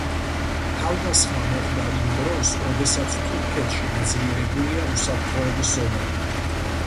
თავდასხმა მოხდა იმ დროს, როდესაც თურქეთში გაძლიერებულია უსაფრთხოების ზომები.